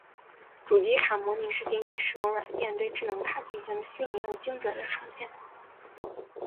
主机卡模拟是仅仅使用软件对智能卡进行的虚拟而精确的呈现。